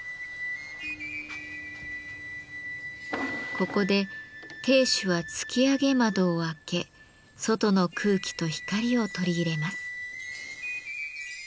ここで亭主は突き上げ窓を開け外の空気と光を取り入れます。